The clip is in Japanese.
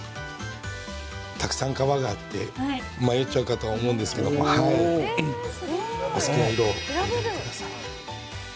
たくさん革があって迷っちゃうかとは思うんですけどお好きな色をお選びください。